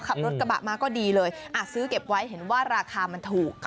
ขับรถกระบะมาก็ดีเลยซื้อเก็บไว้เห็นว่าราคามันถูก